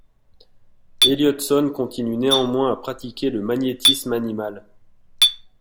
Elliotson continue néanmoins à pratiquer le magnétisme animal.